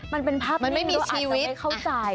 มันเป็นภาพที่เราอาจจะได้เข้าใจ